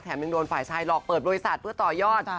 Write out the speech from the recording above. ยังโดนฝ่ายชายหลอกเปิดบริษัทเพื่อต่อยอด